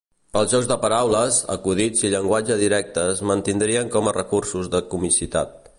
Els jocs de paraules, acudits i llenguatge directe es mantindrien com a recursos de comicitat.